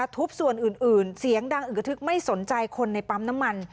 ส่วนอื่นเสียงดังอึกกระทึกไม่สนใจคนในปั๊มน้ำมัน